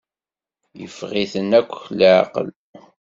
Yeffeɣ-iten akk leɛqel.